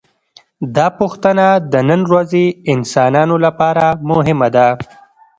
دا پوښتنه د نن ورځې انسانانو لپاره مهمه ده.